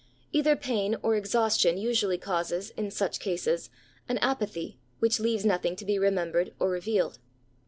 Either pain or exhaustion usually causes, in such cases, an apathy which leaves nothing to be remembered or revealed.